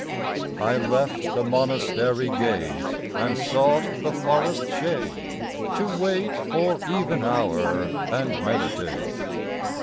I left the Monastery gate, And sought the forest shade, to wait For even hour, and meditate.